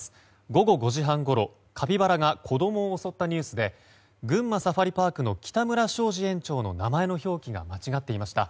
午後５時半ごろカピバラが子供を襲ったニュースで群馬サファリパークの北村昭二園長の名前の表記が間違っていました。